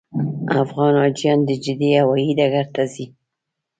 افغان حاجیان د جدې هوایي ډګر ته ځي.